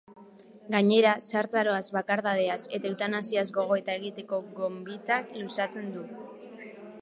Gainera, zahartzaroaz, bakardadeaz eta eutanasiaz gogoeta egiteko gonbita luzatzen du.